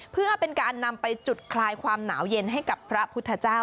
เพื่อเป็นการนำไปจุดคลายความหนาวเย็นให้กับพระพุทธเจ้า